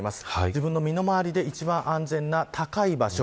自分の身の回りで一番安全な高い場所